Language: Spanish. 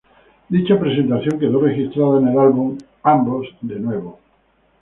Dicha presentación quedó registrada en el álbum "Together Again".